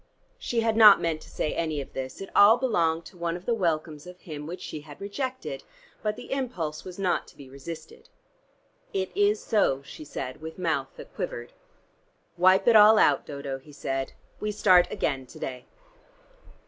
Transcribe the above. She had not meant to say any of this; it all belonged to one of the welcomes of him which she had rejected. But the impulse was not to be resisted. "It is so," she said with mouth that quivered. "Wipe it all out, Dodo," he said. "We start again to day."